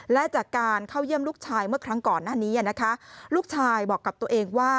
และจากการเข้าเยี่ยมลูกชายเมื่อครั้งก่อนหน้านี้นะคะลูกชายบอกกับตัวเองว่า